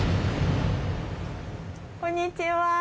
こんにちは。